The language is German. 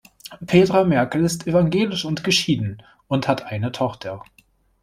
Petra Merkel ist evangelisch und geschieden und hat eine Tochter.